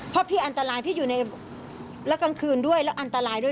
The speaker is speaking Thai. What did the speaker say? เพราะพี่อันตรายพี่อยู่ในแล้วกลางคืนด้วยแล้วอันตรายด้วย